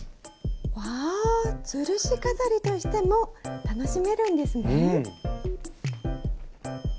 うわぁつるし飾りとしても楽しめるんですね。